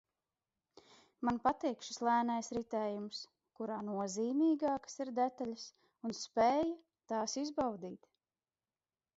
Man patīk šis lēnais ritējums, kurā nozīmīgākas ir detaļas un spēja tās izbaudīt